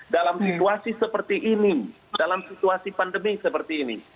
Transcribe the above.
dalam situasi seperti ini dalam situasi pandemi seperti ini